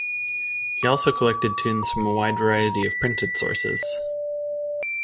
He also collected tunes from a wide variety of printed sources.